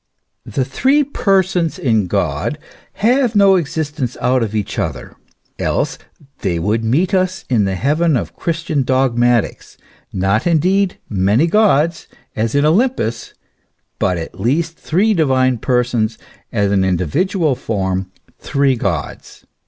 The three Persons in God have no existence out of each other ; else there would meet us in the heaven of Christian dogmatics, not indeed many gods, as in Olympus, but at least three divine Persons in an individual form, three Gods.